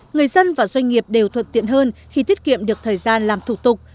người dân và doanh nghiệp đều thuận tiện hơn khi tiết kiệm được thời gian làm thủ tục